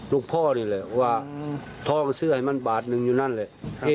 ลูกพ่อนี่แหละว่าทองเสื้อให้มันบาทหนึ่งอยู่นั่นแหละ